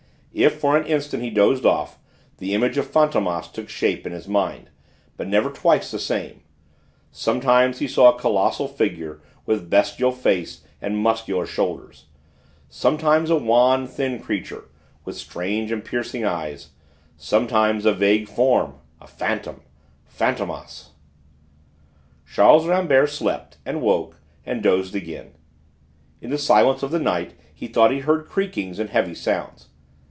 If for an instant he dozed off, the image of Fantômas took shape in his mind, but never twice the same: sometimes he saw a colossal figure with bestial face and muscular shoulders; sometimes a wan, thin creature, with strange and piercing eyes; sometimes a vague form, a phantom Fantômas! Charles Rambert slept, and woke, and dozed again. In the silence of the night he thought he heard creakings and heavy sounds.